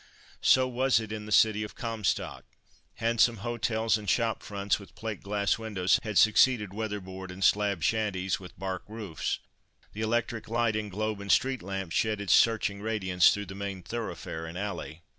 So was it in the city of Comstock. Handsome hotels and shop fronts, with plate glass windows, had succeeded weatherboard and slab shanties with bark roofs. The electric light in globe and street lamps shed its searching radiance through main thoroughfare and alley.